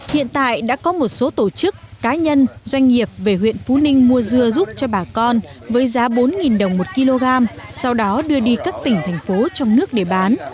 hiện tại đã có một số tổ chức cá nhân doanh nghiệp về huyện phú ninh mua dưa giúp cho bà con với giá bốn đồng một kg sau đó đưa đi các tỉnh thành phố trong nước để bán